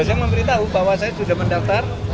saya memberitahu bahwa saya sudah mendaftar